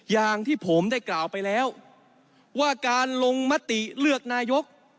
อย่างที่ผมได้กล่าวไปแล้วว่าการลงมติเลือกนายก